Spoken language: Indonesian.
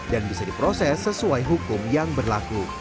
dan bisa diproses sesuai hukum yang berlaku